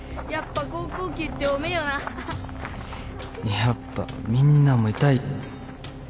やっぱみんなも痛いよな。